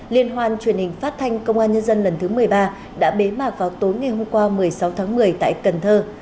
liên hoan truyền hình phát thanh công an nhân dân lần thứ một mươi ba đã bế mạc vào tối ngày hôm qua một mươi sáu tháng một mươi tại cần thơ